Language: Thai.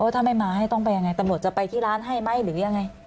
ถ้าไม่มาให้ต้องไปยังไงตำรวจจะไปที่ร้านให้ไหมหรือยังไง